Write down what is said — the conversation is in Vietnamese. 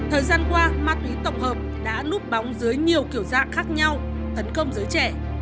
hôm qua ma túy tổng hợp đã núp bóng dưới nhiều kiểu dạng khác nhau thấn công giới trẻ